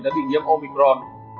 đã bị nhiễm omicron